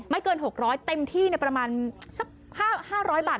ไม่เกิน๖๐๐บาทเต็มที่ประมาณ๕๐๐บาท